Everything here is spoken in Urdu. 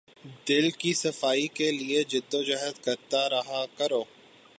دل کی صفائی کے لیے جد و جہد کرتے رہا کرو۔